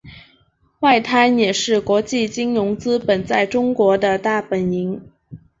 外滩也是国际金融资本在中国的大本营。